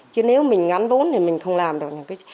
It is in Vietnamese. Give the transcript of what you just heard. chứ nếu mình ngắn vốn thì mình không làm được